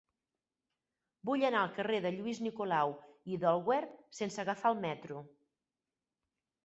Vull anar al carrer de Lluís Nicolau i d'Olwer sense agafar el metro.